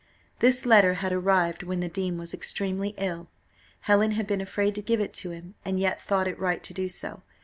This letter had arrived when the dean was extremely ill. Helen had been afraid to give it to him, and yet thought it right to do so.